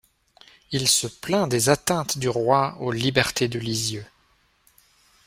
Il se plaint des atteintes du roi aux Libertés de Lisieux.